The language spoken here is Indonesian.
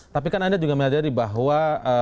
tapi kan anda juga menyadari bahwa